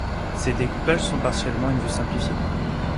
Ces découpages sont partiellement une vue simplifiée.